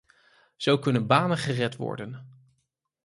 Zo kunnen banen gered worden.